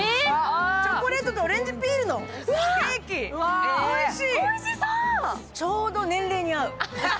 チョコレートオレンジピールのケーキ、おいしい！